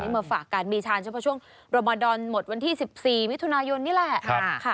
มาฝากกันมีชาญเฉพาะช่วงโรมาดอนหมดวันที่๑๔มิถุนายนนี่แหละ